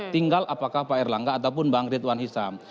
tinggal apakah pak erlangga ataupun bang ritwan hisam